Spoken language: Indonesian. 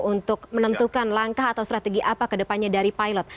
untuk menentukan langkah atau strategi apa ke depannya dari pilot